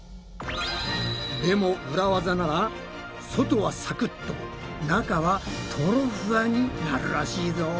でもウラ技なら外はサクッと中はトロフワになるらしいぞ。